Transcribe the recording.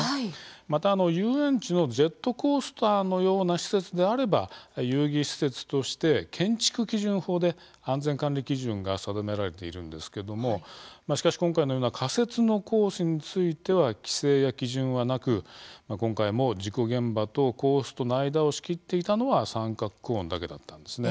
また遊園地のジェットコースターのような施設であれば遊戯施設として建築基準法で安全管理基準が定められているんですけども、今回のような仮設のコースについては規制や基準はなく今回も事故現場とコースとの間を仕切っていたのは三角コーンだけだったんです。